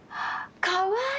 かわいい！